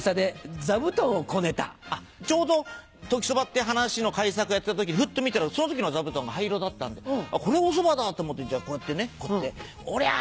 ちょうど『時そば』って噺の改作やってた時にフッと見たらその時の座布団が灰色だったんでこれはおそばだと思ってこうやってねこうやっておりゃ！